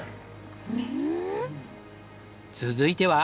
続いては。